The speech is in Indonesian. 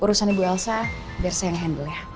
urusan ibu elsa biar saya yang handle ya